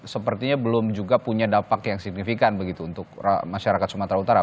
sepertinya belum juga punya dampak yang signifikan begitu untuk masyarakat sumatera utara